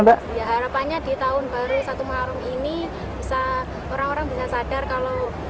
harapannya di tahun baru satu malam ini orang orang bisa sadar kalau